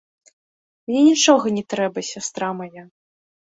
Мне нічога не трэба, сястра мая.